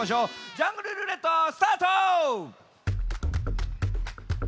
「ジャングルるーれっと」スタート！